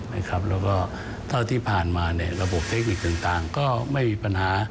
เราก็ที่ที่ผ่านมาเนี่ยระบบเทคนิจต่างก็ไม่มีปัญหา